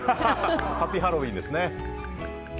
ハッピーハロウィーンですね。